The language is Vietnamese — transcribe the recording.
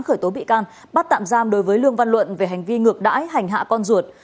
khởi tố bị can bắt tạm giam đối với lương văn luận về hành vi ngược đãi hành hạ con ruột